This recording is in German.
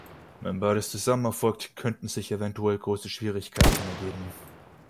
Wenn Beides zusammen erfolgt, könnten sich eventuell große Schwierigkeiten ergeben.